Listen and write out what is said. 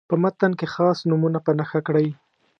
په متن کې خاص نومونه په نښه کړئ.